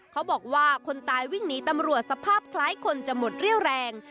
เขาบอกว่าคนตายวิ่งหนีตำรวจสภาพคล้ายคนจะหมดเรี่ยวแรง